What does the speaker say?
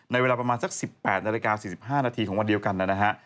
เวลาประมาณสัก๑๘นาฬิกา๔๕นาทีของวันเดียวกันนะฮะ